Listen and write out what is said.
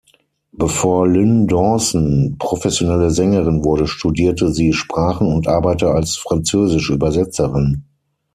Bevor Lynne Dawson professionelle Sängerin wurde, studierte sie Sprachen und arbeitete als Französisch-Übersetzerin.